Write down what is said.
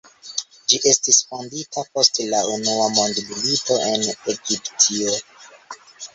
Ĝi estis fondita post la unua mondmilito en Egiptio.